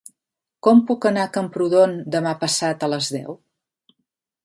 Com puc anar a Camprodon demà passat a les deu?